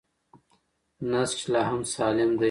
نسج لا هم سالم دی.